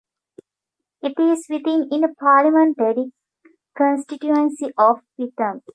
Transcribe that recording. It is within in the Parliamentary constituency of Witham.